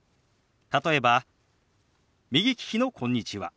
例えば右利きの「こんにちは」。